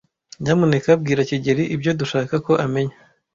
Nyamuneka bwira kigeli ibyo dushaka ko amenya.